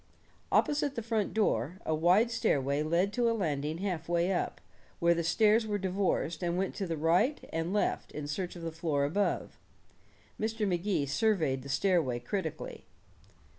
Opposite the front door, a wide stairway led to a landing half way up, where the stairs were divorced and went to the right and left in search of the floor above. Mr. Magee surveyed the stairway critically.